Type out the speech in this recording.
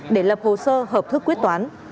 để lập hồ sơ hợp thức quyết toán